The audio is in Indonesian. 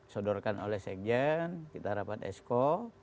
sodorkan oleh sekjen kita rapat esko